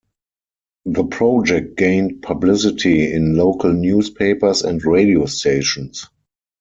The project gained publicity in local newspapers and radio stations.